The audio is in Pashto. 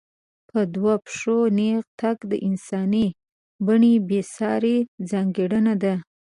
په دوو پښو نېغ تګ د انساني بڼې بېسارې ځانګړنه ده.